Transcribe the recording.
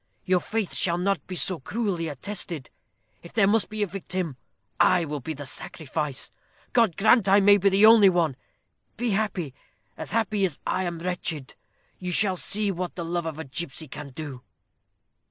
Your faith shall not be so cruelly attested. If there must be a victim, I will be the sacrifice. God grant I may be the only one. Be happy! as happy as I am wretched. You shall see what the love of a gipsy can do."